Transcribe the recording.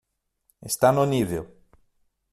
Está no nível.